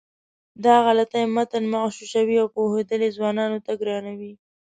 دا غلطۍ متن مغشوشوي او پوهېدل یې ځوانانو ته ګرانوي.